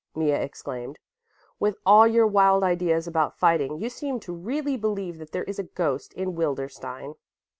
Mea exclaimed. "With all your wild ideas about fighting, you seem to really believe that there is a ghost in Wildenstein."